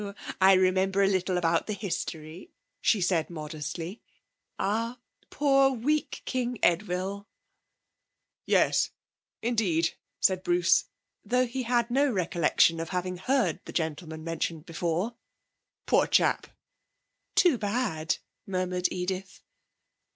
I remember a little about the history,' she said modestly, 'Ah, poor, weak King Edwy!' 'Yes, indeed,' said Bruce, though he had no recollection of having heard the gentleman mentioned before. 'Poor chap!' 'Too bad,' murmured Edith.